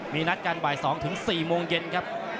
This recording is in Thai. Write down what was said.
มีนัดการ๒๔โมงเย็นครับ